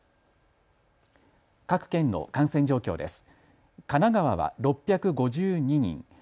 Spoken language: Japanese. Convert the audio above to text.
各県の感染状況です。